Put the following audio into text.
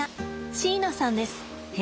椎名さんです。